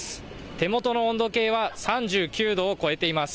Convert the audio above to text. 手元の温度計は３９度を超えています。